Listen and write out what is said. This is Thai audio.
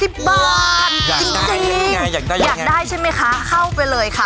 จริงอยากได้ใช่ไหมคะเข้าไปเลยค่ะ